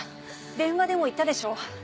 電話でも言ったでしょ。